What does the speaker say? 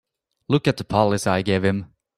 Look at the policy I gave him!